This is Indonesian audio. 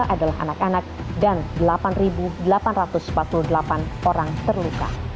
tiga ratus delapan puluh dua adalah anak anak dan delapan delapan ratus empat puluh delapan orang terluka